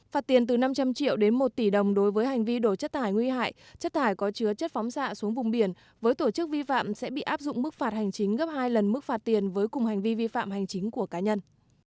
phạt tiền từ năm trăm linh triệu đến một tỷ đồng đối với hành vi đổ chất thải nguy hại chất thải có chứa chất phóng xạ xuống vùng biển với tổ chức vi phạm sẽ bị áp dụng mức phạt hành chính gấp hai lần mức phạt tiền với cùng hành vi vi phạm hành chính của cá nhân